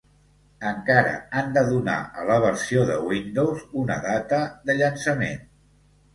Encara han de donar a la versió de Windows una data de llançament.